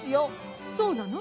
そうなの？